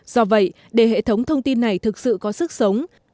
do vậy để hệ thống thông tin này thực sự có sức sống